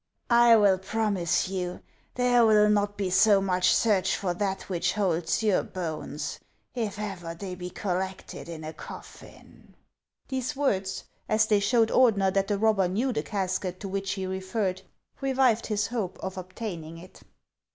I will promise you there '11 not be so much search for that which holds your bones, if ever they be collected in a coffin." These words, as they showed Ordener that the robber knew the casket to which he referred, revived his hope of obtaining it.